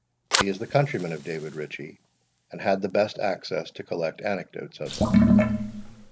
He is the countryman of David Ritchie, and had the best access to collect anecdotes of him.